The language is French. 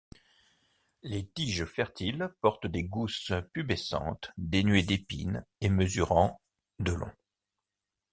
Les tiges fertiles portent des gousses pubescentes dénuées d'épines et mesurant de long.